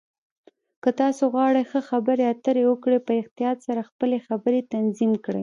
که تاسو غواړئ ښه خبرې اترې وکړئ، په احتیاط سره خپلې خبرې تنظیم کړئ.